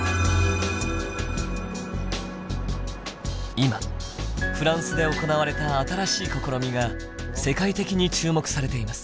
今フランスで行われた新しい試みが世界的に注目されています。